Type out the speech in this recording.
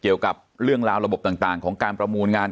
เกี่ยวกับเรื่องราวระบบต่างของการประมูลงาน